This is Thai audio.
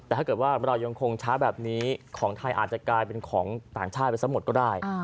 แต่ถ้าเกิดว่าเรายังคงช้าแบบนี้ของไทยอาจจะกลายเป็นของต่างชาติไปซะหมดก็ได้